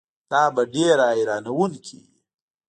دا به ډېره حیرانوونکې وي.